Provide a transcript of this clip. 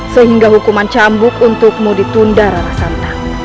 sehingga hukuman cambuk untukmu ditunda rana santang